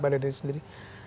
pada diri sendiri